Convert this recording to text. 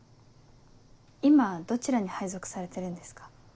今どちらに配属されてるんですか？